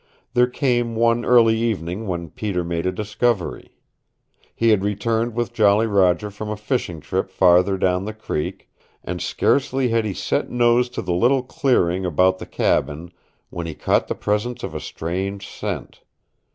There came one early evening when Peter made a discovery. He had returned with Jolly Roger from a fishing trip farther down the creek, and scarcely had he set nose to the little clearing about the cabin when he caught the presence of a strange scent.